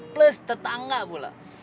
plus tetangga pula